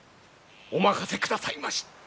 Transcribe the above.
お任せくださいまし。